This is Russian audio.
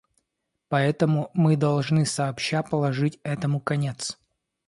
Поэтому мы должны сообща положить этому конец.